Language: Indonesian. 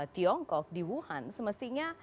tiongkok di wuhan semestinya